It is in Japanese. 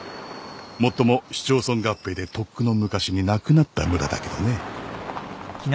もっとも市町村合併でとっくの昔になくなった村だけどね。